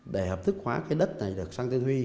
để hợp thức khóa cái đất này được sang tên huy